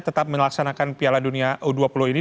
tetap melaksanakan piala dunia u dua puluh ini